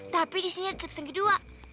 tapi disini ada ceps yang kedua